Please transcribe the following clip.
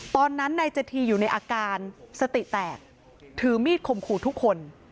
ตอนนั้นนายจธีอยู่ในอาการสติแตกถือมีดข่มขู่ทุกคน